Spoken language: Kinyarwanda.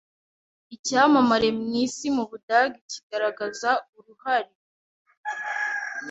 icyamamare mu isi mu Budage kigaragaza uruhare